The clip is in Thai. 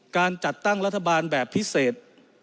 การจัดตั้งรัฐบาลแบบพิเศษ